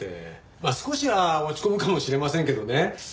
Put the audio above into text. まあ少しは落ち込むかもしれませんけどね。